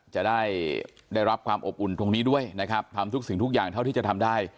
จะได้รับความอบอุ่นตรงนี้ด้วยนะครับทำทุกสิ่งทุกอย่างเท่าที่จะทำได้